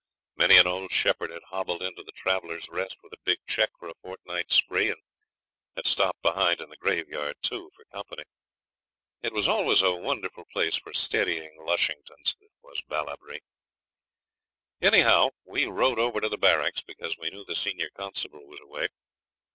Many an old shepherd had hobbled into the Travellers' Rest with a big cheque for a fortnight's spree, and had stopped behind in the graveyard, too, for company. It was always a wonderful place for steadying lushingtons, was Ballabri. Anyhow we rode over to the barracks because we knew the senior constable was away.